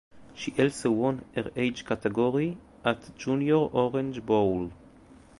She also won her age category at the Junior Orange Bowl.